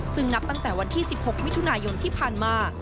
ซึ่งนับตั้งแต่วันที่๑๖มิถุนายนที่ผ่านมา